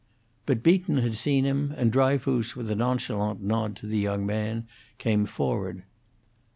But Beaton had seen him, and Dryfoos, with a nonchalant nod to the young man, came forward.